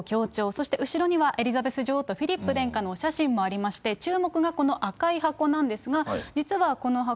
そして後ろにはエリザベス女王とフィリップ殿下のお写真もありまして、注目がこの赤い箱なんですが、実はこの箱。